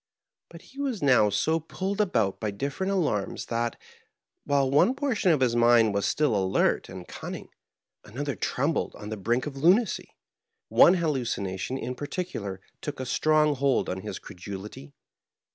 But he was now so pulled about by different alarms that, while one portion of his mind was still alert and cunning, another trembled on the brink of lunacy. One hallucination in particular took a strong hold on his cre dulity.